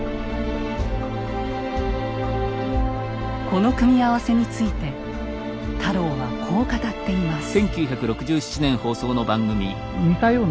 この組み合わせについて太郎はこう語っています。